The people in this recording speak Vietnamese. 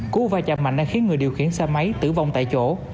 cú va chạm mạnh đang khiến người điều khiển xe máy tử vong tại chỗ